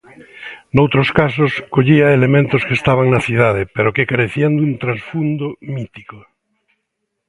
Noutros casos, collía elementos que estaban na cidade, pero que carecían dun transfundo mítico.